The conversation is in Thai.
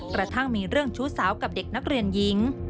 กระทั่งมีเรื่องชู้สาวกับเด็กนักเรียนหญิง